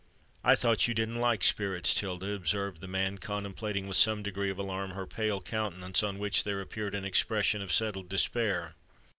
"I thought you didn't like spirits, Tilda?" observed the man, contemplating with some degree of alarm her pale countenance on which there appeared an expression of settled despair.